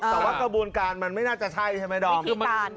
แต่ว่ากระบวนการมันไม่น่าจะใช่ใช่ไหมดอม